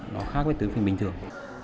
nó khác với tướng phim bình thường